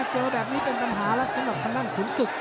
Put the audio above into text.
เจอแบบนี้เป็นปัญหารักษ์สำหรับคำนั่งขุนศึก